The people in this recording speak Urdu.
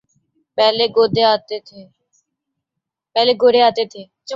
پہلے گورے آتے تھے۔